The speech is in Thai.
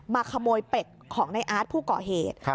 มาขโมยเป็ดของในอาร์ตผู้ก่อเหตุ